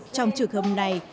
trong trường hợp này